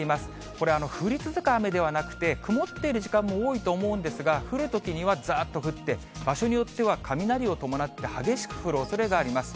これ、降り続く雨ではなくて、曇っている時間も多いと思うんですが、降るときにはざーっと降って、場所によっては、雷を伴って激しく降るおそれがあります。